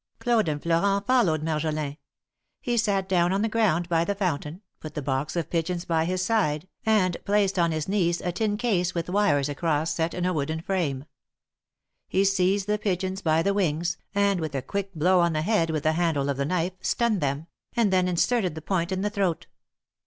Claude and Florent followed Marjolin. He sat down on the ground by the fountain, put the box of pigeons by his side, and placed on his knees a tin case with wires across set in a wooden frame. He seized the pigeons by the wings, and, with a quick blow on the head with the handle of the knife, stunned theni, and then inserted the point in the throat.